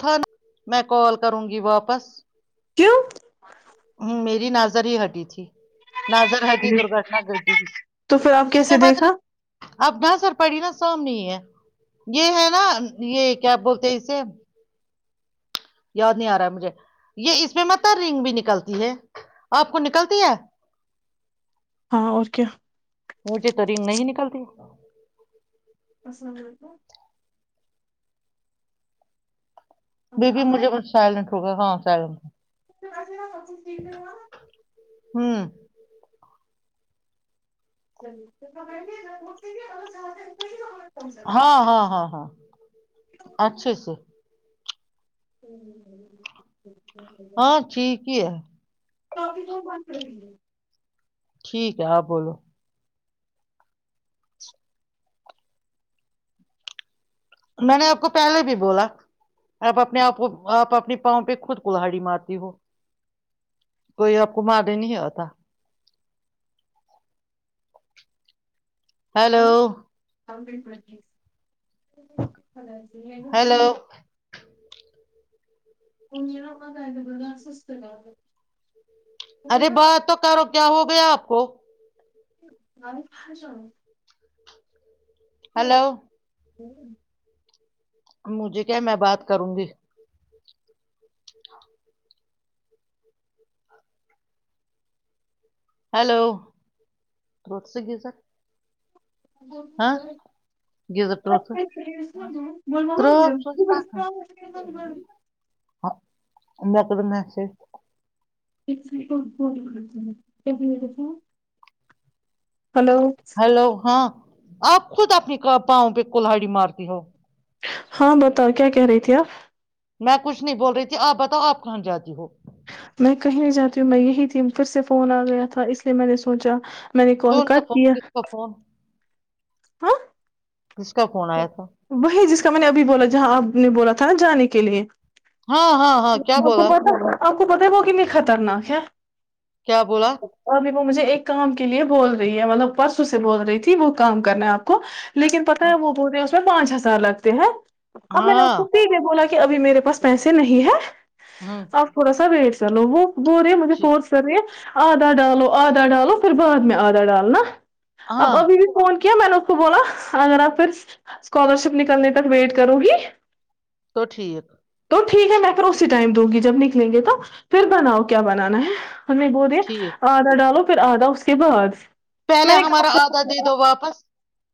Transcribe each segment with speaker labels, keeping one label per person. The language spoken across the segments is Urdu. Speaker 1: تھا میں کال کروں گی واپس
Speaker 2: کیوں
Speaker 1: ہ میری نظر ہی ہٹی تھی نظر ہٹی درگٹنا گٹی گ
Speaker 2: تو پھر آپ
Speaker 1: اس
Speaker 2: کیسے
Speaker 1: میں مات
Speaker 2: دیکھا
Speaker 1: اب نظر پڑی نا سامنی ہے یہ ہے نا یہ کیا بولتے اسے یاد نہیں آ رہا ہے مجھے یہ اس میں متر رنگ بھی نکلتی ہے آپ کو نکلتی ہے
Speaker 2: ہاں اور کیا
Speaker 1: مجھے تو رنگ نہیں نکلتی بی بھی مجھے مسائل ر گا ہاں سگم
Speaker 2: وسے ک دے ہو
Speaker 1: ہوں
Speaker 2: [inaudible]
Speaker 1: ہاں ہاں ہاں ہاں اچھا سے
Speaker 2: ہ اچ [unintelligible]
Speaker 1: ہاں ٹھیک ہی ہے
Speaker 2: قی تو ب کرڑیںی
Speaker 1: ٹھیک ہے آپ بولو میں نے آپ کو پہلے بھی بولا آپ اپنے آ کو آپ اپنی پاؤں پہ خود کلہڑی مارتی ہو کوئی آپ کو مارنے نہیں آتا ہیلو
Speaker 2: [inaudible]
Speaker 1: ہیلو
Speaker 2: وہن کا بد سوستھلا
Speaker 1: ارے بات تو کرو کیا ہو گیا آپ کو
Speaker 2: گسون [unintelligible]
Speaker 1: ہلو
Speaker 2: ہوں [unintelligible]
Speaker 1: مجھے کیا میں بات کروں گی ہیلو سروت س گ سر
Speaker 2: بول
Speaker 1: گیزر تروت سے تروت سے ہاں اللہقب میں سے
Speaker 2: ایک ک تھا
Speaker 1: ہلو ہاں آپ خود اپنی پاؤں پہ کولہڑی مارتی ہو
Speaker 2: ہاں بتاؤ کیا کہہ رہی تھی آپ
Speaker 1: میں کچھ نہیں بول رہی تھی آپ بتاؤ آپ کہاں جاتی ہو
Speaker 2: جو میں یہی تھی پھر سے فون آ گیا تھا اس لیے میں نے سوچا میں نے کال
Speaker 1: کون سا فون کس کا فون
Speaker 2: ہا
Speaker 1: کس کا فون آیا تھا
Speaker 2: میں نے ابھی بولا جہاں آپ نے بولا تھا نا جانے کے لیے
Speaker 1: ہاں ہاں ہاں کیا
Speaker 2: آپ کو
Speaker 1: بولا
Speaker 2: پتا آپ کو پت وہ کنی خطرناک ہے
Speaker 1: کیا بولا
Speaker 2: ابھی وہ مجھے ایک کام کے لیے بول رہی ہے مطلب پرسوں سے بول رہی تھی وہ کام کرنا ہے آپ کو لیکن [inaudible] پانچ ہذار لگتے ہیں اب میں نے اس
Speaker 1: ہاں
Speaker 2: کو سیدھے بولا کہ ابھی میرے پاس پیسے نہیں ہے
Speaker 1: ہوں
Speaker 2: آپ تھوڑا سا ویٹ چلو وہ بورے مجھے
Speaker 1: ٹھیک
Speaker 2: فورس کرری آدھا ڈالو آدھا ڈالو پھر بعد میں آدھا ڈال نا اب
Speaker 1: ہاں
Speaker 2: ابھی بھی فون کیا میں نے اس کو بولا اگر آپ پھر اسکالر شپ نکلنے تک ویٹ کروں گی
Speaker 1: تو ٹھیک
Speaker 2: تو ٹھیک ہے میں پھر اسی ٹائم دوں گی جب نکلیں گے تو پھر بناؤ کیا بنانا ہے ہمیں بہود
Speaker 1: ٹھیک
Speaker 2: آ د ڈالو پھر آدا اس کے بعد
Speaker 1: پہلے
Speaker 2: میں نے کہا
Speaker 1: ہمارا آدا دے دو واپس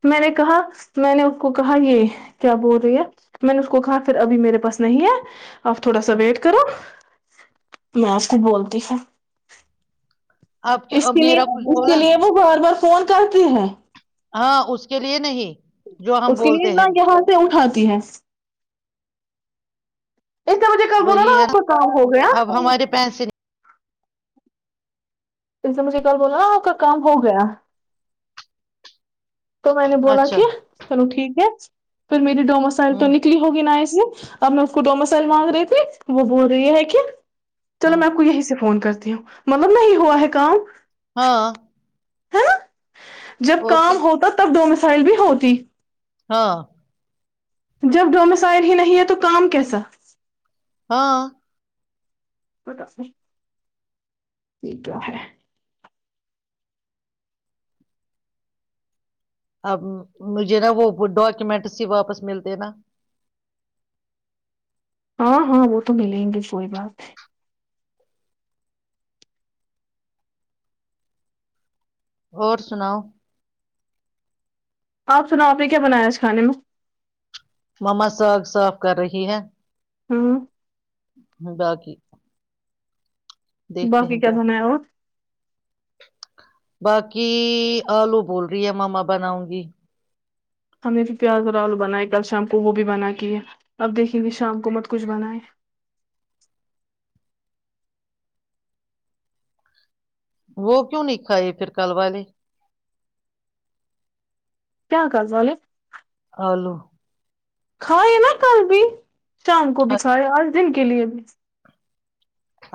Speaker 2: میں نے کہا میں نے اس کو کہا یہ کیا بول رہی ہے میں نے اس کو کہا پھر ابھی میرے پاس نہیں ہے آپ تھوڑا سا ویٹ کرو میں اس کو بولتی س
Speaker 1: آپ
Speaker 2: اس
Speaker 1: اب
Speaker 2: کے لیے
Speaker 1: میرا کچھ
Speaker 2: اس کے
Speaker 1: بولا
Speaker 2: لیے وہ بار بار فون کرتی ہیں
Speaker 1: ہاں اس کے لیے نہیں جو ہم
Speaker 2: اس کے لیے
Speaker 1: بولتے
Speaker 2: نہ
Speaker 1: ہیں
Speaker 2: یہاں سے اٹھاتا تی ہے اتنے بجے ک ب رہو نا
Speaker 1: وہی ہے
Speaker 2: آپ کا کام ہو گیا
Speaker 1: نا اب ہمارے پیسے
Speaker 2: اس سے مجھے کل بولا آپ کا کام ہو گیا تو میں نے
Speaker 1: نہیں
Speaker 2: بولا
Speaker 1: اچھا
Speaker 2: کیا چلو ٹھیک ہے پھر میری دو مسائل تو
Speaker 1: ہوں
Speaker 2: نکلی ہوگی نا اس اب میں اس کو تو مسائل مانگ رہے تھے وہ بول رہی ہے کیا چلو
Speaker 1: ہوں
Speaker 2: میں آپ کو یہیں سے فون کرتا ہوں مطلب نہیں ہوا ہے کام
Speaker 1: ہاں
Speaker 2: ہاں جب
Speaker 1: اور کیا
Speaker 2: کام ہوتا تب دو میں سے سائل بھی ہوتی
Speaker 1: ہاں
Speaker 2: جب ڈومسائل ہی نہیں ہے تو کام کیسا؟
Speaker 1: ہاں
Speaker 2: تو تو
Speaker 1: اب مجھے نا وہ ڈاکومینٹ ہی واپس ملتے نا [unintelligible]
Speaker 2: ہاں ہاں وہ تو ملیں گے کوئی بات [unintelligible]
Speaker 1: اور سناؤ
Speaker 2: آپ سناؤ آپ نے کیا بنایا اس کھانے میں
Speaker 1: مما ساگ صاف کر رہی ہے [unintelligible]
Speaker 2: ہوں [unintelligible]
Speaker 1: [unintelligible] دیکھتے
Speaker 2: باقی
Speaker 1: ہیں
Speaker 2: کیا سنا ہے اور [unintelligible]
Speaker 1: باقی آلو بول رہی ہے ماما بناؤں گی
Speaker 2: ہم نے بھی پیاز اور آالو بنائے کل شام کو وہ بھی بنا کے ہے اب دیکھیں گے شام کو مت کچھ بنائے
Speaker 1: وہ کیوں نہیں کا یہ پھر کل والے
Speaker 2: کیا کر والے
Speaker 1: آلو
Speaker 2: کاں ہے نا کل بھی شام کو بھی سھ
Speaker 1: اچ-
Speaker 2: اور دن کے لیے بھی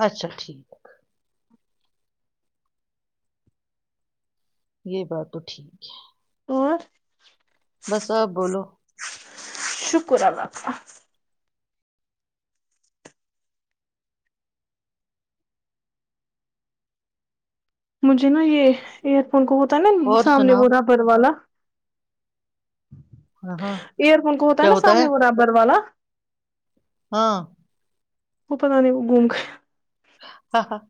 Speaker 1: اچھا ٹھیک یہ بات تو ٹھیک ہے
Speaker 2: اور
Speaker 1: بس آ بولو
Speaker 2: شکر ربابہ مجھے نا یہ ایئر فون کو ہوتا ہے نا
Speaker 1: اور
Speaker 2: سامنے ب
Speaker 1: سناؤ
Speaker 2: رابر والا
Speaker 1: ہاں ہاں
Speaker 2: ایئر فون کو ہوتا ہے نا سامنے برابر والا
Speaker 1: ہاں
Speaker 2: وہ پت نہیں وہ گھوم گ
Speaker 1: ہاں ہاں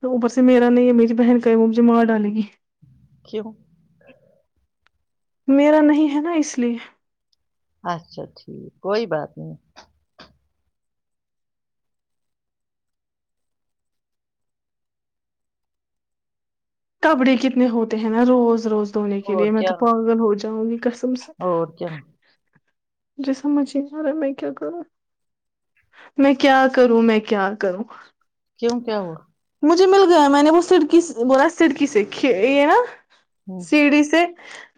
Speaker 2: تو اوپر سے میرا نہیں ہے میری بہن کا ہے وہ مجھے مار ڈالے گی
Speaker 1: کیوں
Speaker 2: میرا نہیں ہے نا اس لیے
Speaker 1: اچھا ٹھیک کوئی بات نہیں
Speaker 2: کپڑے کتنے ہوتے ہیں نا روز روز دھونے کے لیے
Speaker 1: اور
Speaker 2: میں
Speaker 1: کیا
Speaker 2: تو پاگل ہو جاؤں گی کسم سے
Speaker 1: اور کیا
Speaker 2: مج سمجھ نہیں آ رہا ہے میں کیا کروں میں کیا کروں میں کیا کروں
Speaker 1: کیوں کیا ہو
Speaker 2: مجھے مل گیا میں نے وہ سڑکی بولا سڑکی سے کھییا
Speaker 1: ہوں
Speaker 2: سیڑی سے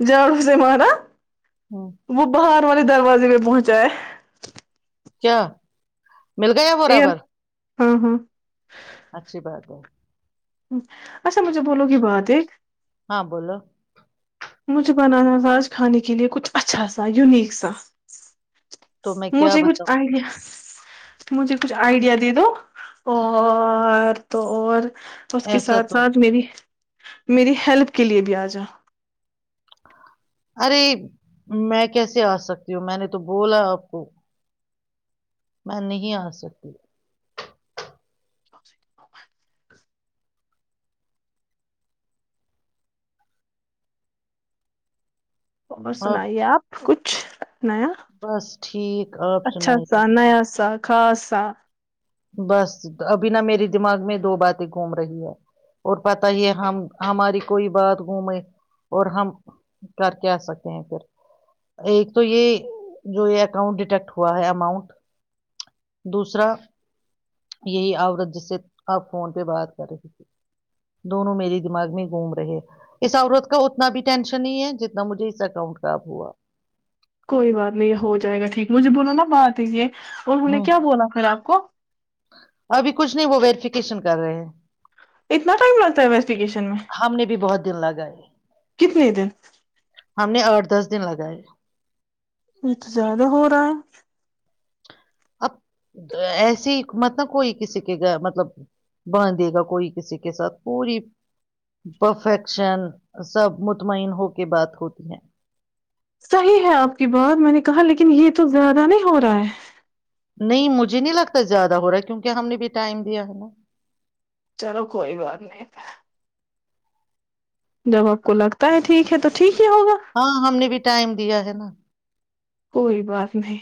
Speaker 2: جان سے مارا
Speaker 1: ہوں
Speaker 2: وہ بہار والے دروازے پہ پہنچا ہے
Speaker 1: کیا؟ مل گیایا برابر
Speaker 2: ہاں ہاں
Speaker 1: اچھی بات ہے
Speaker 2: اچھا مجھے بولو گی بات ایک
Speaker 1: ہاں بولو
Speaker 2: مجھے بنانا راج کھانے کے لئے کچھ اچھا سا یونیک سا
Speaker 1: تو میں
Speaker 2: م
Speaker 1: کیا
Speaker 2: سے کچھ
Speaker 1: بتاؤں
Speaker 2: آئیڈیا تو مجھے کچھ آئیڈیا دے دو اور تو اور اس کے
Speaker 1: ایسا
Speaker 2: ساتھ
Speaker 1: تو
Speaker 2: ساتھ میری میری ہیلپ کے لیے بھی آ جا
Speaker 1: ارے میں کیسے آ سکتی ہوں میں نے تو بولا آپ کو میں نہیں آ سکتی
Speaker 2: اور سنائیے آپ کچھ نیا
Speaker 1: بس ٹھیک آپ
Speaker 2: اچھاچ سا
Speaker 1: سنائیے
Speaker 2: نیا سا [unintelligible]
Speaker 1: بس ابھی نا میرے دماغ میں دو باتیں گھوم رہی ہے اور پت ہی ہم ہماری کوئی بات گھومے اور ہم کر کے آ سکتے ہیں پھر ایک تو یہ جو یہ اکاؤنٹ ڈیٹیکٹ ہوا ہے اماؤنٹ دوسرا یہی عورت جس سے آپ فون پہ بات کر رہے تھے دونوں میرے دماغ میں گھوم رہے اس عورت کا اتنا بھی ٹینشن نہیں ہے جتنا مجھے اس اکاؤنٹ خراب ہوا
Speaker 2: کوئی بات نہیں ہو جائے گا ٹھیک مجھے بولو نا بات ہی یہ انہوں نے
Speaker 1: ہ
Speaker 2: کیا بولا پھر آپ کو
Speaker 1: ابھی کچھ نہیں وہ ویریفیکیشن کر رہے ہیں
Speaker 2: اتنا ٹائم لگتا ہے انویسٹیگیشن میں
Speaker 1: ہم نے بھی بہت دن لگائے
Speaker 2: کتنے دن
Speaker 1: ہم نے آٹھ دس دن لگائے
Speaker 2: یہ تو زیادہ ہو رہا ہے
Speaker 1: اب ایسی حک مت ن کوئی کسی کے مطلب باندھ دے گا کوئی کسی کے ساتھ پوری پرفیکشن سب مطمئن ہو کے بات ہوتی ہے [unintelligible]
Speaker 2: صحیح ہے آپ کی بات میں نے کہا لیکن یہ تو زیادہ نہیں ہو رہا ہے
Speaker 1: نہیں مجھے نہیں لگتا زیادہ ہو رہا ہے کیونکہ ہم نے بھی ٹائم دیا ہے نا
Speaker 2: چلو کوئی بات نہیں جب آپ کو لگتا ہے ٹھیک ہے تو ٹھیک ہی ہوگا
Speaker 1: ہاں ہم نے بھی ٹائم دیا ہے نا [unintelligible]
Speaker 2: کوئی بات نہیں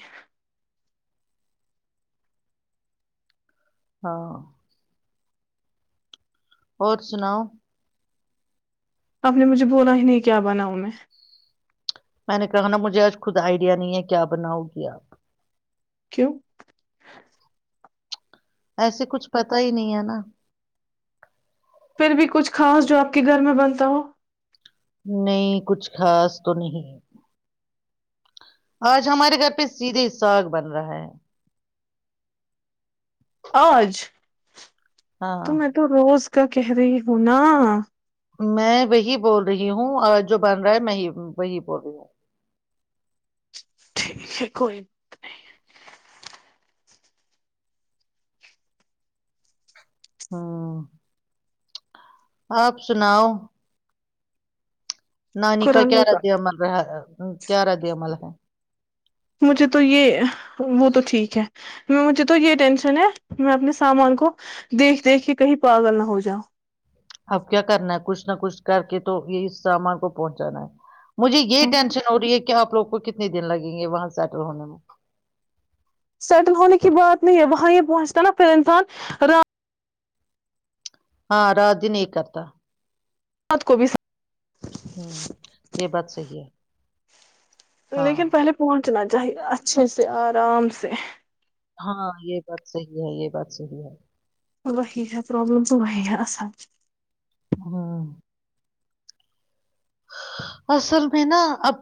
Speaker 1: ہاں اور سناؤ
Speaker 2: آپ نے مجھے بولا ہی نہیں کیا بناؤ میں
Speaker 1: میں نے کہا نا مجھے آج خود آئیڈیا نہیں ہے کیا بناؤ گی آپ
Speaker 2: کیوں؟ ٹ
Speaker 1: ایسے کچھ پتا ہی نہیں ہے نا
Speaker 2: پھر بھی کچھ خاص جو آپ کے گھر میں بنتا ہو
Speaker 1: نہیں کچھ خاص تو نہیں آج ہمارے گھر پہ سیدھے ساگ بن رہا ہے
Speaker 2: آج تو
Speaker 1: ہاں
Speaker 2: تو روز کا کہہ رہی ہوں نا
Speaker 1: میں وہی بول رہی ہوں اور جو بن رہا ہے میں وہی بول رہی ہوں
Speaker 2: ج کوئی نہیں [unintelligible]
Speaker 1: ہاں آپ سناؤ نانی کا کیا رد عمل رہا کیا رد عمل ہے
Speaker 2: مجھے تو یہ وہ تو ٹھیک ہے مجھے تو یہ ٹینشن ہے میں اپنے سامان کو دیکھ دیکھ کے کہیں پاگل نہ ہو جاؤں
Speaker 1: اب کیا کرنا ہے کچھ نہ کچھ کر کے تو یہ اس سامان کو پہنچانا ہے مجھے یہ ٹینشن ہو رہی ہے کہ آ لوگ کو کتنے دن لگیں گے وہاں سیٹل ہونے میں
Speaker 2: سیٹل ہونے کی بات نہیں ہے وہاں یہ پہنچتا نا پھر انسان ر
Speaker 1: ہاں رجج نہیں کرتا
Speaker 2: کو بھی
Speaker 1: ہوں یہ بات صحیح ہے ہاں
Speaker 2: لیکن پہلے پوون [unintelligible] پچنا چاہیے اچھے سے آرام سے
Speaker 1: ہاں یہ بات صحیح ہے یہ بات صحی ہے
Speaker 2: بیا پررابلم تو ویا اصل
Speaker 1: ہاں اصل میں نا اپ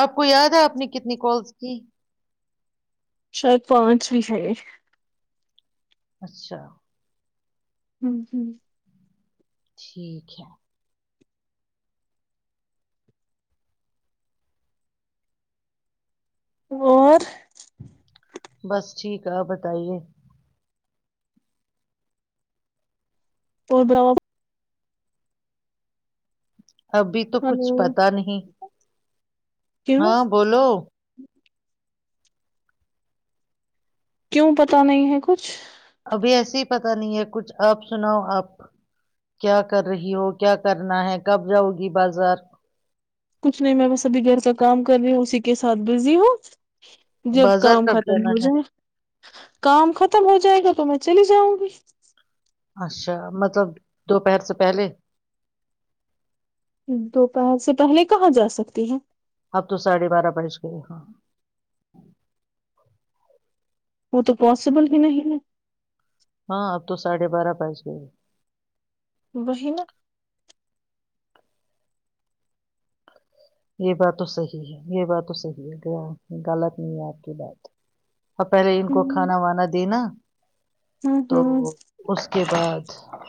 Speaker 1: آپ کو یاد ہے آپ نے کتنی کالس کی
Speaker 2: شاید پانچ بھی ہے
Speaker 1: اچھا
Speaker 2: ہوں ہوں
Speaker 1: ٹھیک ہے
Speaker 2: اور
Speaker 1: بس ٹھیک ہے آپ بتائیے
Speaker 2: اور بڑوا
Speaker 1: ابھی تو کچھ
Speaker 2: ہلو
Speaker 1: پتا نہیں
Speaker 2: کیوں
Speaker 1: ہاں بولو
Speaker 2: کیوں پتا نہیں ہے کچھ
Speaker 1: ابھی ایسے ہی پتہ نہیں ہے کچھ آپ سناؤ آپ کیا کر رہی ہو کیا کرنا ہے کب جاؤ گی بازار
Speaker 2: کچھ نہیں میں بس ابھی گھر کا کام کر رہی ہوں اسی کے ساتھ بزی ہوں جب
Speaker 1: بازار
Speaker 2: کام
Speaker 1: کب
Speaker 2: ختم
Speaker 1: جانا
Speaker 2: ہو
Speaker 1: ہے
Speaker 2: جائے کام ختم ہو جائے گا تو میں چل جاؤں گی
Speaker 1: اچھا مطلب دوپہر سے پہلے
Speaker 2: دوپہر سے پہلے کہاں جا سکتی ہے
Speaker 1: اب تو ساڑھے بارہ بج گئے ہاں
Speaker 2: وہ تو پاسبل ہی نہیں ہے
Speaker 1: ہاں اب تو سھے بارہ پسے ہے
Speaker 2: بہ نا
Speaker 1: یہ بات تو صحیح ہے یہ بات تو صحیح ہے غلط نہیں ہے آپ کی بات اور پہلے ان کو
Speaker 2: ہوں
Speaker 1: کھانا وانا دینا تو
Speaker 2: ہوں
Speaker 1: اس کے بعدب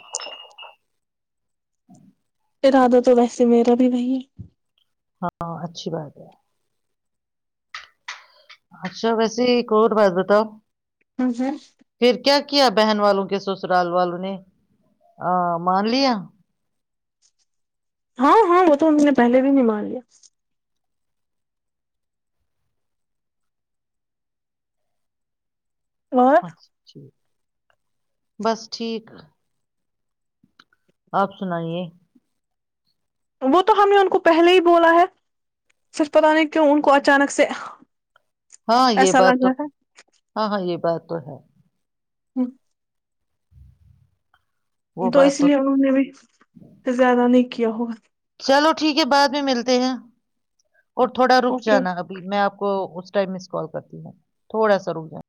Speaker 2: ارادہ تو ویسے میرا بھی بی ہے
Speaker 1: ہاں اچھی بات ہے اشو وسی کو بات ب تو
Speaker 2: ہ ج [unintelligible]
Speaker 1: کیا بہن والوں کے سسرال والوں نے مان لیا
Speaker 2: ہاں ہاں وہ تو ان نے پہلے بھی نہیں مان لیا اور
Speaker 1: اچھ [unintelligible] بس ٹھیک [unintelligible] آپ سنائیے [unintelligible]
Speaker 2: وہ تو ہم نے ان کو پہلے ہی بولا ہے صرف پتہ نہیں کیوں ان کو اچانک سے
Speaker 1: ہاں یہ
Speaker 2: ایسا
Speaker 1: بات
Speaker 2: لگ
Speaker 1: تو
Speaker 2: رہا
Speaker 1: ہاں ہاں یہ بات تو ہے [unintelligible]
Speaker 2: ہوں [unintelligible]
Speaker 1: وہ
Speaker 2: تو
Speaker 1: بات
Speaker 2: اس لیے انہوں نے بھی زیادہ نہیں کیا ہوگا
Speaker 1: چلو ٹھیک ہے بعد میں ملتے ہیں اور تھوڑا رک
Speaker 2: اوکے
Speaker 1: جانا ابھی میں آپ کو ٹم مس کال کرتی ہے تھوڑا سا رک جائیں